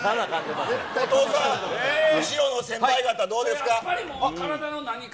後藤さん、後ろの先輩方、どうですか。